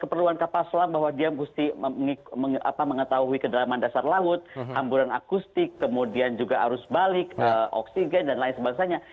keperluan kapal selam bahwa dia mesti mengetahui kedalaman dasar laut hamburan akustik kemudian juga arus balik oksigen dan lain sebagainya